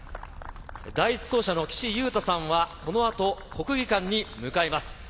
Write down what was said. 第１走者の岸優太さんはこの後、国技館に向かいます。